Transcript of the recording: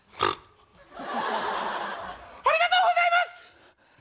ガッ！ありがとうございます！